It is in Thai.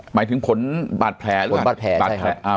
หมายถึงขนบาดแผลหรือเปล่าขนบาดแผลใช่ครับ